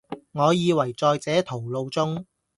我以爲在這途路中，